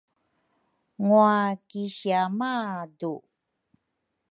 Ngwa kisia madu